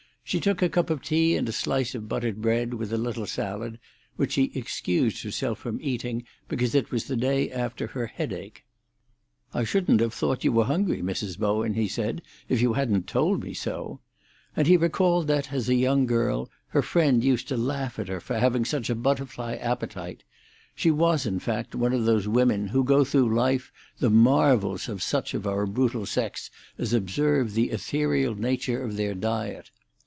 She took a cup of tea and a slice of buttered bread, with a little salad, which she excused herself from eating because it was the day after her headache. "I shouldn't have thought you were hungry, Mrs. Bowen," he said, "if you hadn't told me so," and he recalled that, as a young girl, her friend used to laugh at her for having such a butterfly appetite; she was in fact one of those women who go through life the marvels of such of our brutal sex as observe the ethereal nature of their diet.